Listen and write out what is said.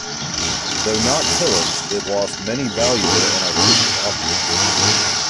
Though not pillaged, it lost many valuable and artistic objects.